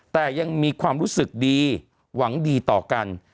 แต่ยังมีความรู้สึกดีหวังดีต่อกัน